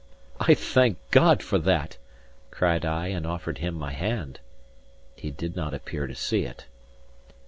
"I thank God for that!" cried I, and offered him my hand. He did not appear to see it.